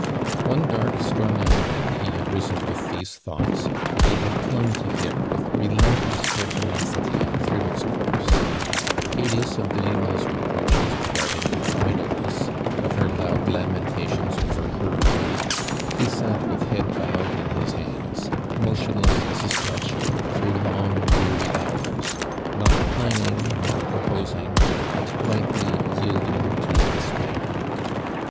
One dark stormy morning he had risen with these thoughts, and they had clung to him with relentless pertinacity through its •ourse. Heedless of Delima's reproaches regarding liis idlene.^s — of her loud lamen tations over her fato, ho sat with head bowed in his hands, motionless as a statue, through long, weary hours, not planning nor proposing, but blankly yielding to despair.